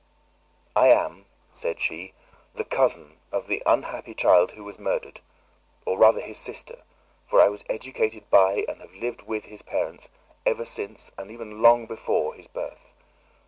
"I am," said she, "the cousin of the unhappy child who was murdered, or rather his sister, for I was educated by and have lived with his parents ever since and even long before his birth.